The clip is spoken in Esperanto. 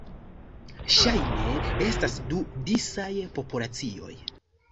Ŝajne estas du disaj populacioj.